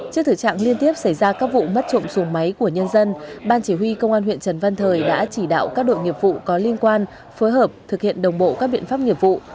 trước thử trạng liên tiếp xảy ra các vụ mất trộm sùng máy của nhân dân ban chỉ huy công an huyện trần văn thời đã chỉ đạo các đội nghiệp vụ có liên quan phối hợp thực hiện đồng bộ các biện pháp nghiệp vụ